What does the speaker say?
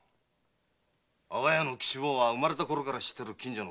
安房屋の吉坊は生まれたころから知ってる近所の子だ。